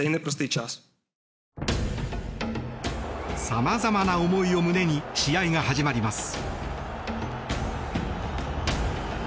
様々な思いを胸に試合が始まります。